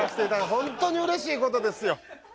本当にうれしい事ですよ。